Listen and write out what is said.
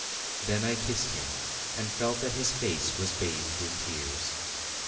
Then I kissed him and felt that his face was bathed in tears.